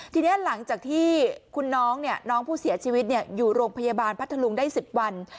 ทีนี้หลังจากที่คุณน้องน้องผู้เสียชีวิตอยู่โรงพยาบาลพัทธลุงได้๑๐วัน